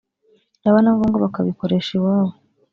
byaba na ngombwa bakabikoresha iwabo